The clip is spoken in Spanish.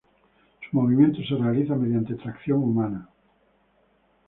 Su movimiento se realiza mediante tracción humana.